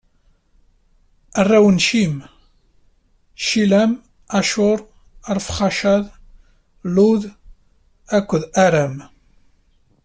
Arraw n Cim: Ɛiylam, Acur, Arfaxcad, Lud akked Aram.